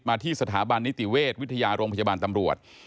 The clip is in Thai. มาที่สถาบันนิติเวชวิทยาโรงพจบันตร์ตำรวจ